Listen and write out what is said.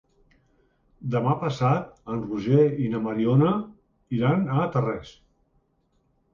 Demà passat en Roger i na Mariona iran a Tarrés.